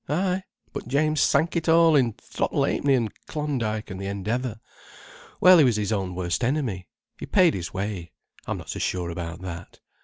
Ay, but James sank it all in Throttle Ha'penny and Klondyke and the Endeavour. Well, he was his own worst enemy. He paid his way. I'm not so sure about that.